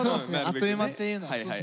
あっという間っていうのは。